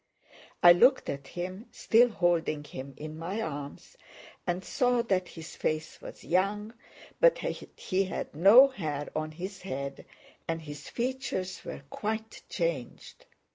I looked at him, still holding him in my arms, and saw that his face was young, but that he had no hair on his head and his features were quite changed.